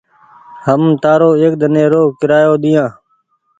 هم تآرو ايڪ ۮن ني رو ڪيرآيو ڏيديا۔